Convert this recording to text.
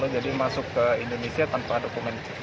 masuk ke indonesia tanpa dokumen